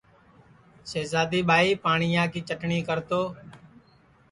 سِجادی ٻائی پاٹِؔیا کی چٹٹؔیں کرتو